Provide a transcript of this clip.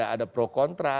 ada pro kontra